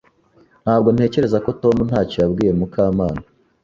Ntabwo ntekereza ko Tom ntacyo yabwiye Mukamana.